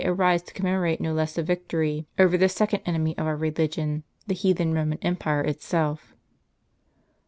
^ arise to commemorate no less a victory, over the second enemy of our religion, the heathen Roman empire itself."